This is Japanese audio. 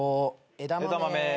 枝豆。